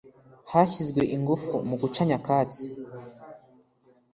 hashyizwe ingufu mu guca nyakatsi